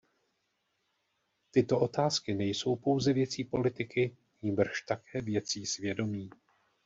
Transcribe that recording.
Tyto otázky nejsou pouze věcí politiky, nýbrž také věcí svědomí.